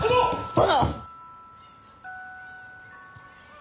殿！